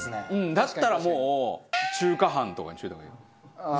だったらもう中華飯とかにしといた方がいい。